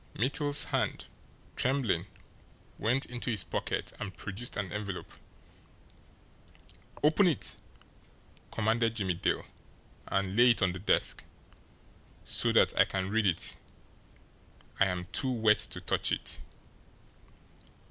Mittel's hand, trembling, went into his pocket and produced an envelope. "Open it!" commanded Jimmie Dale. "And lay it on the desk, so that I can read it I am too wet to touch it."